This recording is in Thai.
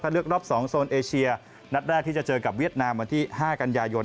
เลือกรอบ๒โซนเอเชียนัดแรกที่จะเจอกับเวียดนามวันที่๕กันยายน